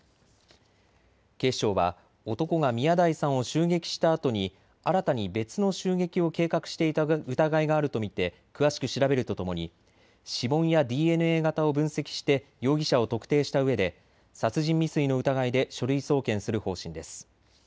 警視庁は男が宮台さんを襲撃したあとに新たに別の襲撃を計画していた疑いがあると見て詳しく調べるとともに指紋やＤＮＡ型を分析して容疑者を特定したうえで殺人未遂の疑いで書類送検する方針です。